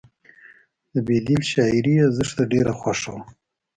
د بیدل شاعري یې زښته ډېره خوښه وه